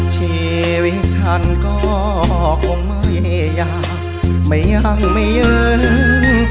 ชีวิตฉันก็คงไม่ยากไม่ยังไม่เยิน